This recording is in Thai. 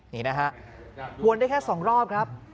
นี่นะฮะวนได้แค่๒รอบครับ